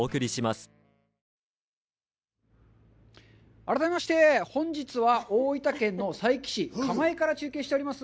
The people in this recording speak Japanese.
改めまして、本日は、大分県の佐伯市蒲江から中継しております。